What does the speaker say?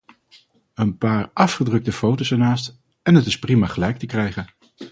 Een paar afgedrukte foto's ernaast, en het is prima gelijk te krijgen.